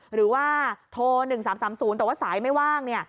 หรือว่าโทร๑๓๓๐แต่ว่าสายไม่ว่าง